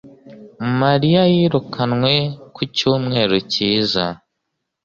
Mariya yirukanwe ku cyumweru cyiza